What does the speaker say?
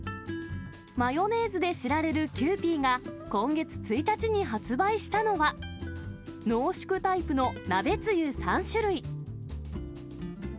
マヨネーズで知られるキユーピーが、今月１日に発売したのは、濃縮タイプの鍋つゆ３種類。